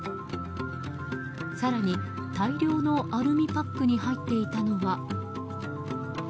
更に大量のアルミパックに入ってたのは。